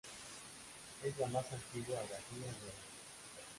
Es la más antigua abadía de Holanda.